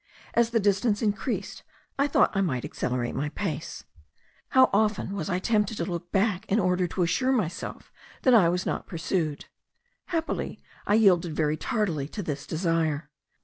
As the distance increased, I thought I might accelerate my pace. How often was I tempted to look back in order to assure myself that I was not pursued! Happily I yielded very tardily to this desire.